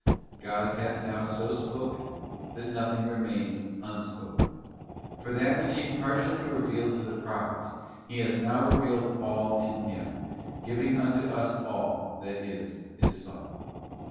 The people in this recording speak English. '* God hath now so spoken, that nothing remains unspoken ; for that which He partially revealed to the Prophets He hath now revealed all in Him, giving unto us all, that is, His Son.